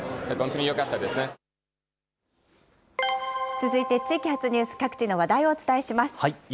続いて地域発ニュース、各地の話題をお伝えします。